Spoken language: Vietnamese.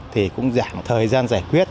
thì cũng giảm thời gian giải quyết